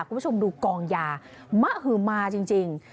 คุณผู้ชมดูกองยามะหือมาจริง